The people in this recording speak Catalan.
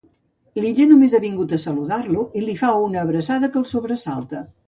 L'Illa només ha vingut a saludar-lo i li fa una abraçada que el sobresalta.